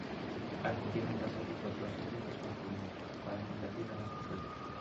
Argentina clasificó dos equipo masculino para competir en estos juegos.